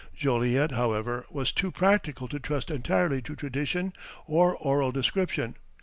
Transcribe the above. Joliet, however, was too practical to trust entirely to tradition or oral description.